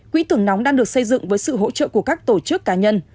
quỹ tưởng nóng đang được xây dựng với sự hỗ trợ của các tổ chức cá nhân